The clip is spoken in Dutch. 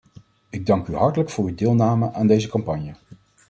Ik dank u hartelijk voor uw deelname aan deze campagne.